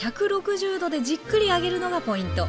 １６０℃でじっくり揚げるのがポイント。